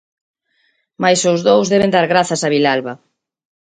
Mais os dous deben dar grazas a Vilalba.